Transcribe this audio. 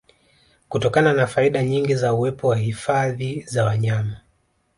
Kutokana na faida nyingi za uwepo wa Hifadhi za wanyama